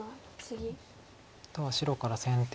あとは白から先手